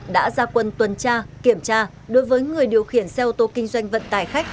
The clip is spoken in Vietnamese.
đã ra quân tuần tra kiểm tra đối với người điều khiển xe ô tô kinh doanh vận tải khách